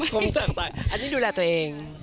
ชมจังแต่อันนี้ดูแลตัวเอง